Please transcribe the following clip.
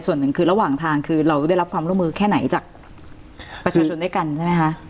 ส่วนหนึ่งคือระหว่างทางคือเราได้รับความร่วมมือแค่ไหนจากประชาชนด้วยกันใช่ไหมคะ